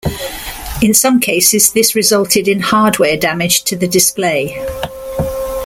In some cases this resulted in hardware damage to the display.